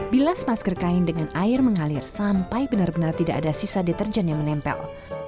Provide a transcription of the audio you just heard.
bilas masker kain dengan air mengalir sampai benar benar tidak ada sisa deterjen yang menempel